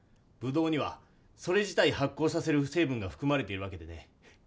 ぶどうにはそれ自体発酵させる成分が含まれているわけでね。